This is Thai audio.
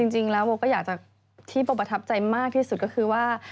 จริงแล้วโบก็อยากจะที่โบประทับใจมากที่สุดก็คือว่า